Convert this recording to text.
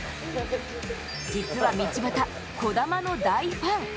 実は道端、児玉の大ファン。